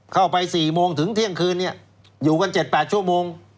เข้าไป๔โมงถึงเที่ยงคืนอยู่กัน๗๘ชั่วโมง